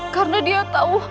karena dia tahu